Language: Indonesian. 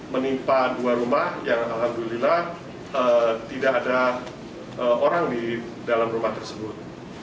menimpa dua rumah yang alhamdulillah tidak ada orang di dalam rumah tersebut